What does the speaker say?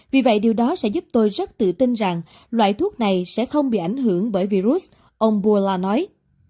vì vậy điều đó sẽ giúp tôi rất tự tin rằng loại thuốc này sẽ không bị ảnh hưởng bởi virus ông buala nói